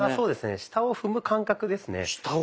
下を踏む感覚ですね。